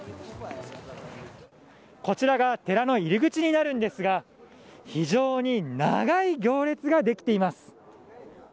こちらが寺の入り口になるんですが非常に長い行列ができています。